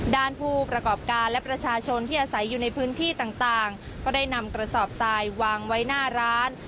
ผู้ประกอบการและประชาชนที่อาศัยอยู่ในพื้นที่ต่างก็ได้นำกระสอบทรายวางไว้หน้าร้าน